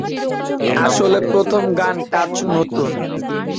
আসলে, প্রথম গান " টাচ" নতুন।